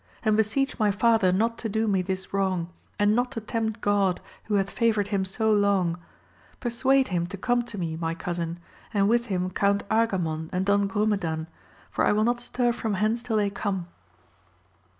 and beseech my father not to do me this wrong, and not to tempt God who hath favoured him so long ! persuade him to come to me my cousin, and with him Count Argamon and Don Grumedan, for I will not stir from hence till they come.